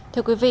thưa quý vị